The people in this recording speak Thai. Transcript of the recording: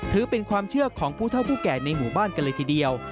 ถือเป็นความเชื่อของผู้เท่าผู้แก่ในหมู่บ้านกันเลยทีเดียว